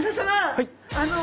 はい。